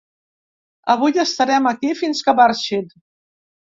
Avui estarem aquí fins que marxin.